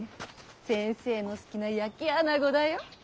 先生の好きな焼きアナゴだよ。